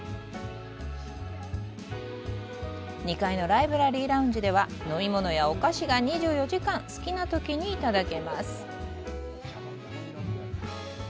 ２階のライブラリーラウンジでは飲み物やお菓子が２４時間好きなときにいただけます。